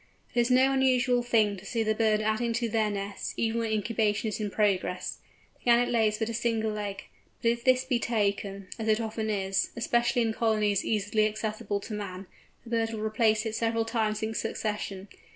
It is no unusual thing to see the birds adding to their nests, even when incubation is in progress. The Gannet lays but a single egg, but if this be taken—as it often is, especially in colonies easily accessible to man—the bird will replace it several times in succession.